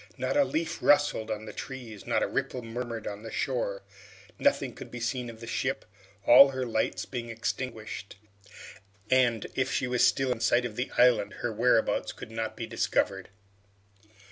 Not a leaf rustled on the trees, not a ripple murmured on the shore. Nothing could be seen of the ship, all her lights being extinguished, and if she was still in sight of the island, her whereabouts could not be discovered.